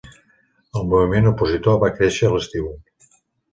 El moviment opositor va créixer a l'estiu.